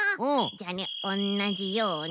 じゃあねおんなじように。